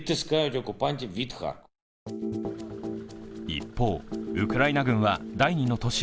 一方、ウクライナ軍は第二の都市